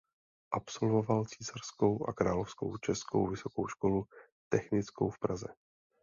Absolvoval císařskou a královskou českou vysokou školu technickou v Praze.